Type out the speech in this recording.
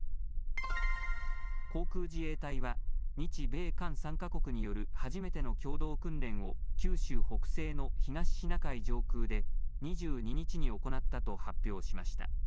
航空自衛隊は日米韓３か国による初めての共同訓練を九州北西の東シナ海上空で２２日に行ったと発表しました。